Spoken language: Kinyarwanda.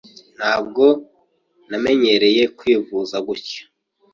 Ntabwo namenyereye kwivuza gutya.